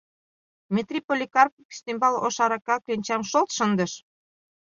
Метрий Поликарпов ӱстембак ош арака кленчам шолт шындыш.